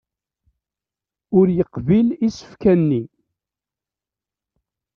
Ur yeqbil isefka-nni.